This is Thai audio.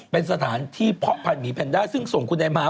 เป็นสถานที่คุณไนมา